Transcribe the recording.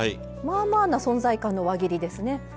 まあまあな存在感の輪切りですね。